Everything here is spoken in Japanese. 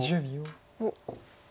おっ。